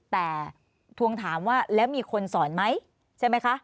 แต่ทวงถามว่าแล้วมีคนสอนไหมใช่ไหมคะ